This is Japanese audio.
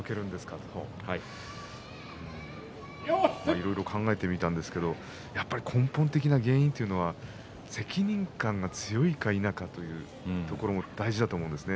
いろいろ考えてみたんですけどやはり根本的な原因というのは責任感が強いか否かというところが大事だと思うんです。